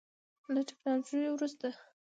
له ټکنالوژۍ وروسته یو.